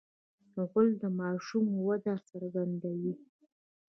غول د ماشوم وده څرګندوي.